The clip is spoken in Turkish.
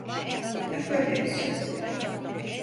Yap öyleyse.